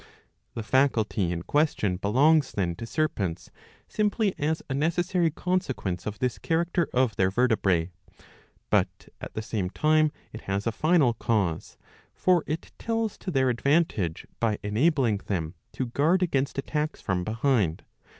^^ The faculty in question belongs then to serpents simply as a necessary con sequence of this character of their vertebrae ; but at the same 692 a. IV. II — IV. 12. 129 time it has a final cause, for it tells to their advantage by enabling them to guard against attacks from behind.